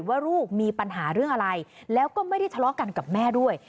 ว่าลูกมีปัญหาเรื่องอะไรแล้วก็ไม่ได้ทะเลาะกันกับแม่ด้วย